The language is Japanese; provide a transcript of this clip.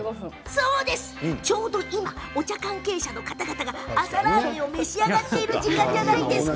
お茶関係者の皆さんが朝ラーメンを召し上がってる時間じゃないですか。